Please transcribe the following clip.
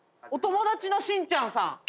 「お友達のしんちゃんさん」